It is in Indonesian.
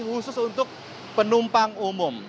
khusus untuk penumpang umum